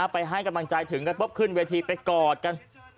ไปให้กำลังใจถึงกันปุ๊บขึ้นเวทีไปกอดกัน